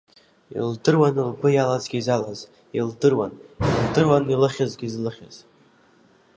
Илдыруан лгәы иалазгьы залаз, илдыруан, илдыруан илыхьызгьы злыхьыз.